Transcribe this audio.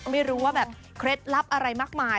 ไม่รู้ว่าแบบเคล็ดลับอะไรมากมาย